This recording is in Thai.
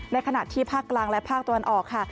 ในขณะที่ภาคกลางและภาคตัวอันออก